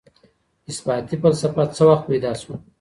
اثباتي فلسفه څه وخت پيدا سوه؟